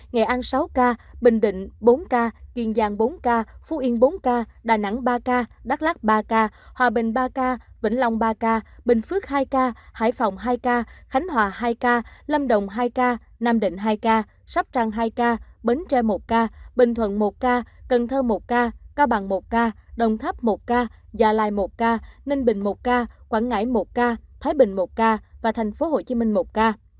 ngày an sáu ca bình định bốn ca kiên giang bốn ca phú yên bốn ca đà nẵng ba ca đắk lát ba ca hòa bình ba ca vĩnh long ba ca bình phước hai ca hải phòng hai ca khánh hòa hai ca lâm đồng hai ca nam định hai ca sắp trăng hai ca bến tre một ca bình thuận một ca cần thơ một ca cao bằng một ca đồng tháp một ca già lai một ca ninh bình một ca quảng ngãi một ca thái bình một ca tp hcm một ca